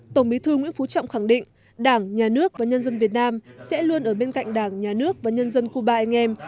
tổng bí thư nguyễn phú trọng khẳng định đảng nhà nước và nhân dân việt nam sẽ luôn ở bên cạnh đảng nhà nước và nhân dân cuba anh em